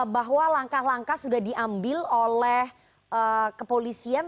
bahwa langkah langkah sudah diambil oleh kepolisian